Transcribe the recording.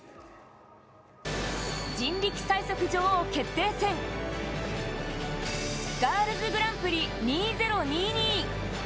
人力最速女王決定戦、ガールズグランプリ２０２２。